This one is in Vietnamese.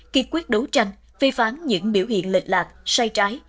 kỳ quyết đấu tranh phê phán những biểu hiện lệnh lạc sai trái